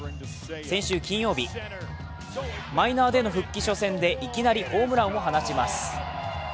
先週金曜日、マイナーでの復帰初戦でいきなりホームランを放ちます。